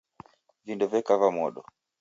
Vindo veka va modo.